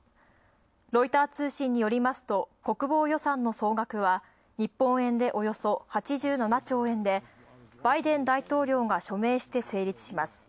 ロイター通信によりますと国防予算の総額は日本円でおよそ８７兆円でバイデン大統領が署名して成立します。